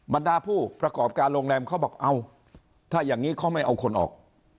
บรรดาผู้ประกอบการโรงแรมเขาบอกเอาถ้าอย่างนี้เขาไม่เอาคนออก